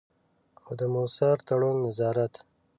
خو د مؤثر تړون، نظارت.